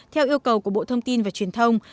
theo yêu cầu của bộ thông tin và truyền thông